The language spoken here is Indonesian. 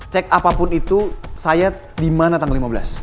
cek apapun itu saya dimana tanggal lima belas